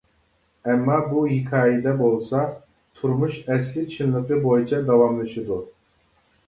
ئەمما بۇ ھېكايىدە بولسا تۇرمۇش ئەسلىي چىنلىقى بويىچە داۋاملىشىدۇ.